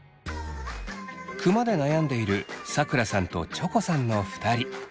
クマで悩んでいるさくらさんとチョコさんの２人。